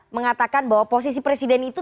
mengatakan bahwa posisi presiden itu